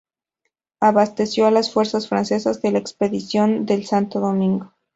Abasteció a las fuerzas francesas de la expedición de Santo Domingo.